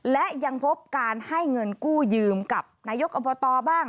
และยังพบการให้เงินกู้ยืมกับนายกอบตบ้าง